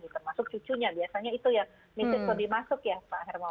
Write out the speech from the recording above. termasuk cucunya biasanya itu yang mesej yang dimasuk ya pak hermawan